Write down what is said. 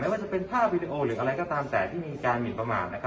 ว่าจะเป็นภาพวีดีโอหรืออะไรก็ตามแต่ที่มีการหมินประมาท